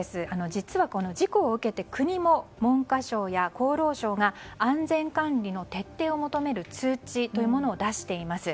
実は、この事故を受けて国も、文科省や厚労省が安全管理の徹底を求める通知というものを出しています。